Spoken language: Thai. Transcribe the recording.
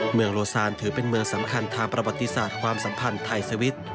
เมืองโลซานถือเป็นเมืองสำคัญทางประวัติศาสตร์ความสัมพันธ์ไทยสวิตช์